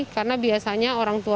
karena biasanya orang tua